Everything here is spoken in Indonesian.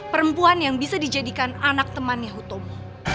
perempuan yang bisa dijadikan anak teman yahutomu